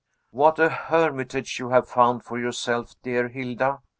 "What a hermitage you have found for yourself, dear Hilda!"